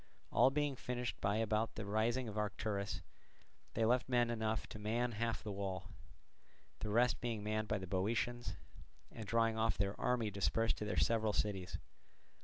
All being finished by about the rising of Arcturus, they left men enough to man half the wall, the rest being manned by the Boeotians, and drawing off their army dispersed to their several cities.